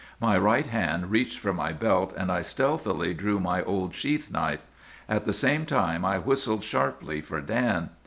My right hand reached for my belt, and I stealthily drew my old sheath knife. At the same time I whistled sharply for Dan.